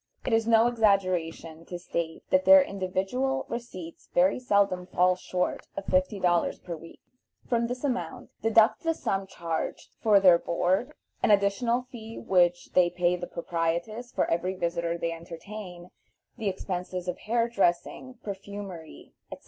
It is no exaggeration to state that their individual receipts very seldom fall short of fifty dollars per week. From this amount deduct the sum charged for their board, an additional fee which they pay the proprietress for every visitor they entertain, the expenses of hair dressing, perfumery, etc.